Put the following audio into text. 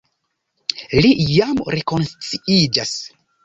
li jam rekonsciiĝas.